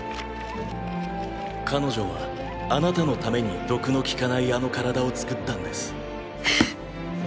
彼女はあなたのために毒の効かないあの体を作ったんです。